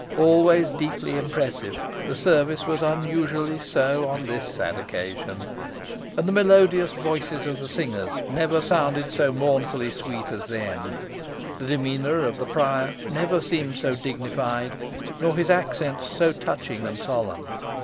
Always deeply impressive, the service was unusually so on this sad occasion, and the melodious voices of the singers never sounded so mournfully sweet as then the demeanour of the prior never seemed so dignified, nor his accents so touching and solemn.